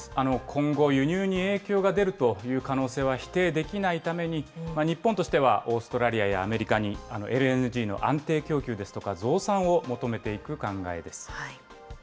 今後、輸入に影響が出るという可能性は否定できないために、日本としては、オーストラリアやアメリカに、ＬＮＧの安定供給ですとか増産を求めていく考えです。